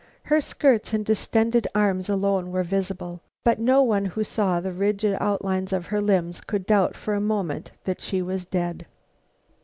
Her skirts and distended arms alone were visible; but no one who saw the rigid outlines of her limbs could doubt for a moment that she was dead.